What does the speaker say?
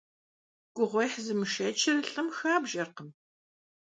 Гугъуехь зымышэчыр лӀым хабжэркъым.